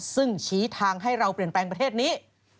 ซึ่งชี้ทางให้เราเปลี่ยนแปลงประเทศนี้